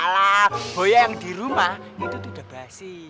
alah boya yang di rumah itu udah basi